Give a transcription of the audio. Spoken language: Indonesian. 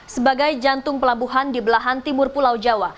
sebagai jantung pelabuhan di belahan timur pulau jawa